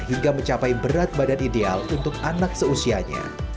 hingga mencapai berat badan ideal untuk anak seusianya